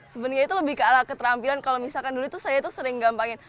sebenarnya itu lebih ke ala keterampilan kalau misalkan dulu itu saya itu sering gampangin